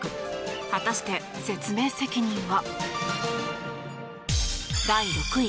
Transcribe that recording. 果たして説明責任は。